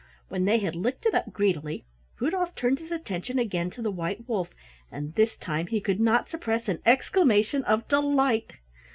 When they had licked it up greedily, Rudolf turned his attention again to the white wolf, and this time he could not suppress an exclamation of delight.